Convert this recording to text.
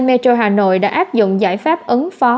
metro hà nội đã áp dụng giải pháp ứng phó